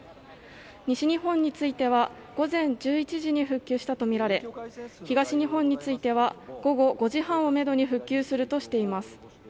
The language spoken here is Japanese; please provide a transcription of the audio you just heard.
西日本については午前１１時に復旧したとみられ東日本については午後５時半をめどに復旧するとしています。